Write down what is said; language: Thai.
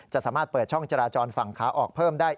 สามารถเปิดช่องจราจรฝั่งขาออกเพิ่มได้